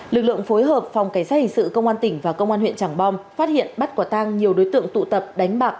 lực lượng phối hợp phòng cảnh sát hình sự công an tỉnh và công an huyện trảng bom phát hiện bắt quả tang nhiều đối tượng tụ tập đánh bạc